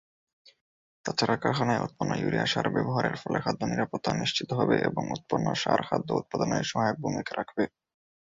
তাছাড়া, কারখানায় উৎপন্ন ইউরিয়া সার ব্যবহারের ফলে খাদ্য নিরাপত্তা নিশ্চিত হবে এবং উৎপন্ন সার খাদ্য উৎপাদনে সহায়ক ভূমিকা রাখবে।